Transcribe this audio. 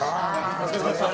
お疲れさまでした。